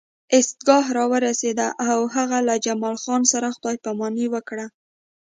ایستګاه راورسېده او هغه له جمال خان سره خدای پاماني وکړه